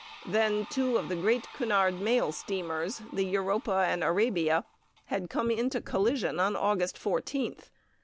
Then two of the great Cunard mail steamers, the Europa and Arabia, had come into collision on August 14th.